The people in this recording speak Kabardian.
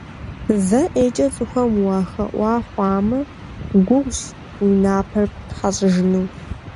Зэ ӀейкӀэ цӀыхухэм уахэӀуа хъуамэ, гугъущ уи напэр птхьэщӀыжыну.